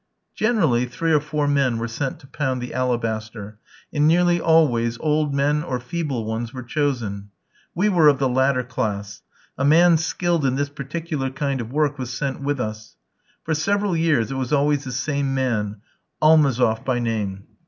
Generally three or four men were sent to pound the alabaster, and nearly always old men or feeble ones were chosen. We were of the latter class. A man skilled in this particular kind of work was sent with us. For several years it was always the same man, Almazoff by name.